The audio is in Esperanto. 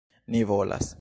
Ni volas.